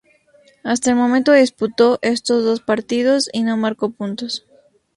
Hasta el momento disputó estos dos partidos y no marcó puntos.